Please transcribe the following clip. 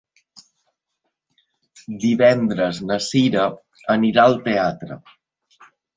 Divendres na Cira anirà al teatre.